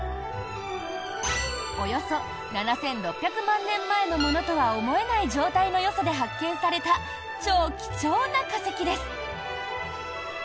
およそ７６００万年前のものとは思えない状態のよさで発見された超貴重な化石です。